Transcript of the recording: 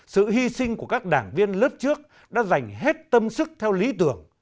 sự hy sinh của các đảng viên lớp trước đã dành hết tâm sức theo lý tưởng